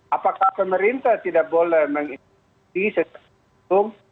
apakah pemerintah tidak boleh mengintervensi sesuatu